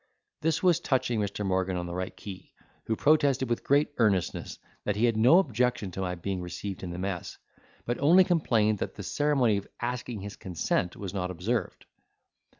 This was touching Mr. Morgan on the right key, who protested with great earnestness, that he had no objection to my being received in the mess; but only complained that the ceremony of asking his consent was not observed.